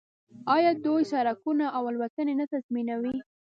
آیا دوی سړکونه او الوتنې نه تنظیموي؟